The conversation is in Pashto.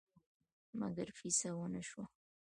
مګر فیصه ونه شوه.